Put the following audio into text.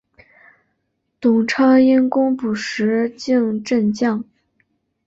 董昌因功补石镜镇将。